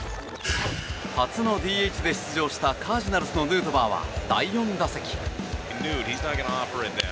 初のＤＨで出場したカージナルスのヌートバーは第４打席。